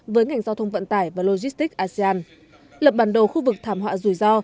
với ngành giao thông vận tải và logistics asean lập bản đồ khu vực thảm họa rủi ro